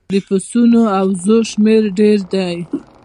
د پسونو او وزو شمیر ډیر دی